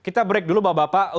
kita break dulu bapak bapak